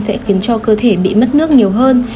sẽ khiến cho cơ thể bị mất nước nhiều hơn